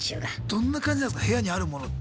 どんな感じなんすか部屋にあるものって。